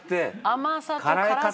甘さと辛さが。